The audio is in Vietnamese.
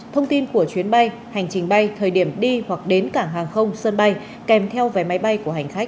thông tin của chuyến bay hành trình bay thời điểm đi hoặc đến cảng hàng không sân bay kèm theo vé máy bay của hành khách